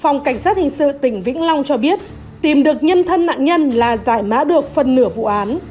phòng cảnh sát hình sự tỉnh vĩnh long cho biết tìm được nhân thân nạn nhân là giải mã được phần nửa vụ án